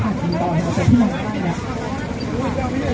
สวัสดีครับทุกคนวันนี้เกิดขึ้นทุกวันนี้นะครับ